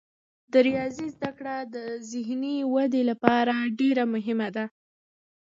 د ریاضي زده کړه د ذهني ودې لپاره ډیره مهمه ده.